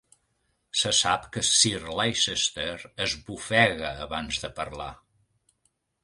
Se sap que Sir Leicester esbufega abans de parlar.